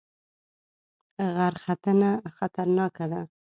غرختنه خطرناکه ده؟